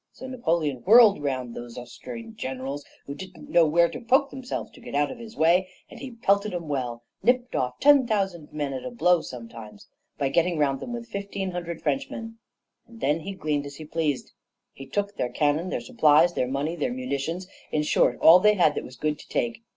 So Napoleon whirled round those Austrian generals, who didn't know where to poke themselves to get out of his way, and he pelted 'em well nipped off ten thousand men at a blow sometimes, by getting round them with fifteen hundred Frenchmen, and then he gleaned as he pleased. He took their cannon, their supplies, their money, their munitions, in short, all they had that was good to take.